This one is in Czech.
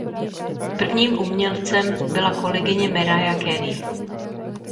Prvním umělcem byla kolegyně Mariah Carey.